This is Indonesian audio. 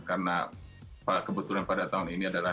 karena kebetulan pada tahun ini adalah